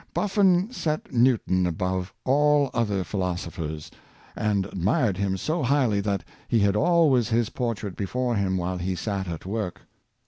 Buffon set Newton above all other philosophers, and admired him so highly that he had always his portrait before him while he sat at work.